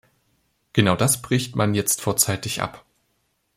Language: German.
Genau das bricht man jetzt vorzeitig ab.